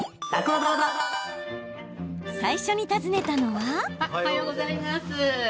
最初に訪ねたのは。